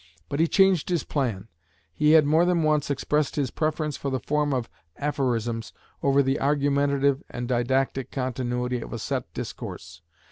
But he changed his plan. He had more than once expressed his preference for the form of aphorisms over the argumentative and didactic continuity of a set discourse.